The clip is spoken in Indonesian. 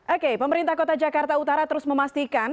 oke pemerintah kota jakarta utara terus memastikan